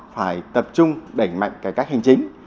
phải tập trung đẩy mạnh cải cách hành chính